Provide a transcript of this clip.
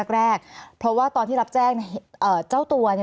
มีความรู้สึกว่ามีความรู้สึกว่ามีความรู้สึกว่า